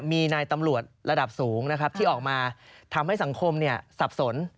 มีนายตำรวจระดับสูงนะครับที่ออกมาทำให้สังคมสับสน